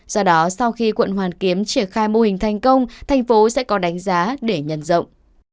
do đó sau khi quận hoàn kiếm triển khai mô hình thành công thành phố sẽ có đánh giá để nhân rộng